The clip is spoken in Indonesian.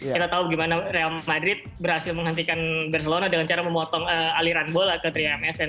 kita tahu bagaimana real madrid berhasil menghentikan barcelona dengan cara memotong aliran bola ke tiga msn